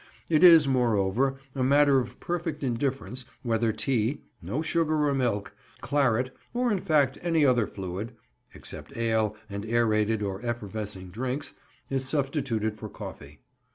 It is, moreover, a matter of perfect indifference whether tea (no sugar or milk), claret, or, in fact, any other fluid (except ale and aërated or effervescing drinks), is substituted for coffee.